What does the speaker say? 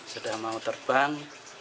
sudah mau terbang